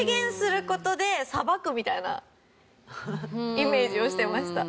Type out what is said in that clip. みたいなイメージをしてました。